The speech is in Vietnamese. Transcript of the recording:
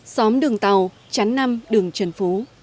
xóm đường tàu chán năm đường trần phú